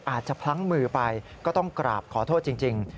พลั้งมือไปก็ต้องกราบขอโทษจริง